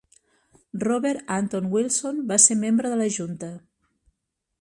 Robert Anton Wilson va ser membre de la junta.